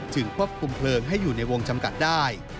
ควบคุมเพลิงให้อยู่ในวงจำกัดได้